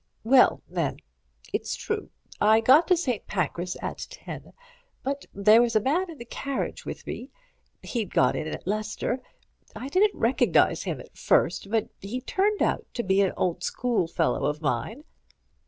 "Well, then, it's true I got to St. Pancras at ten. But there was a man in the carriage with me. He'd got in at Leicester. I didn't recognize him at first, but he turned out to be an old schoolfellow of mine."